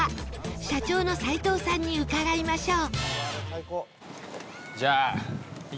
社長の齋藤さんに伺いましょう